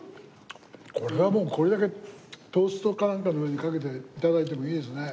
これはもうこれだけトーストかなんかの上にかけて頂いてもいいですね。